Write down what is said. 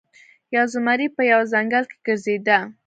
یو زمری په یوه ځنګل کې ګرځیده.